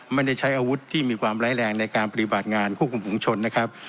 ไม่ได้ใช้อาวุธที่มีความร้ายแรงในการปฏิบัติงานควบคุมฝุงชนนะครับ